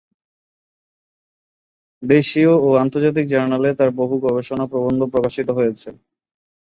দেশীয় ও আন্তর্জাতিক জার্নালে তার বহু গবেষণা প্রবন্ধ প্রকাশিত হয়েছে।